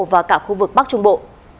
và cả khu vực bắc trung bộ